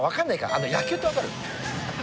あの野球って分かる？